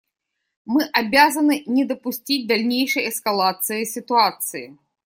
Мы обязаны не допустить дальнейшей эскалации ситуации.